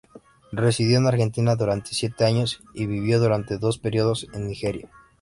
Residió en Argentina durante siete años y vivió durante dos períodos en Nigeria.